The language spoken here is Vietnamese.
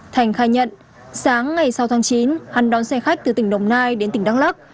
thành khai nhận sáng ngày sáu tháng chín hắn đón xe khách từ tỉnh đồng nai đến tỉnh đắk lắc